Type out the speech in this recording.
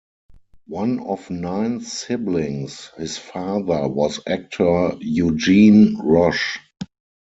One of nine siblings, his father was actor Eugene Roche.